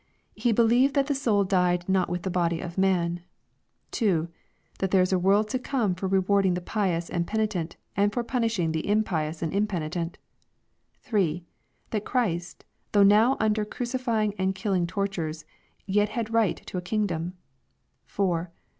He believed that the soul died not with the body of man ;— 2, That there is a world to come for rewarding the pious and penitent, and for punishing the impious and impenitent ;— 3. That Christ, though now under crucifying and killing tortures, yet had right to A kingdom :— 4.